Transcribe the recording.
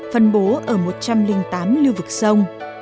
phân bố ở một trăm linh tám lưu vực sông